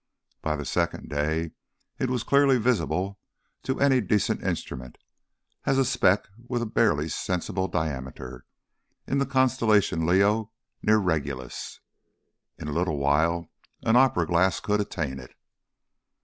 By the second day it was clearly visible to any decent instrument, as a speck with a barely sensible diameter, in the constellation Leo near Regulus. In a little while an opera glass could attain it.